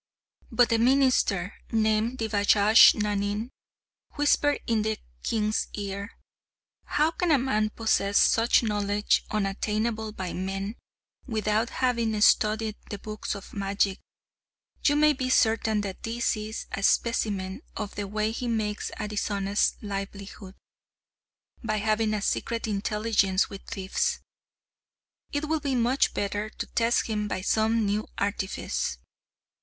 But the minister, named Devajnanin, whispered in the king's ear: "How can a man possess such knowledge unattainable by men, without having studied the books of magic; you may be certain that this is a specimen of the way he makes a dishonest livelihood, by having a secret intelligence with thieves. It will be much better to test him by some new artifice."